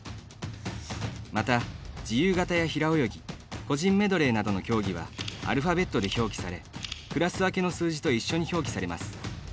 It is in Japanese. また、自由形や平泳ぎ個人メドレーなどの競技はアルファベットで表記されクラス分けの数字と一緒に表記されます。